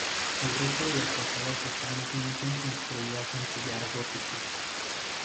El resto de las fachadas están asimismo construidas en sillar gótico.